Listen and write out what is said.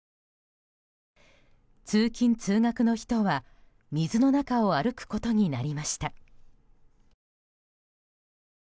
通勤・通学の人は水の中を歩くことになりました。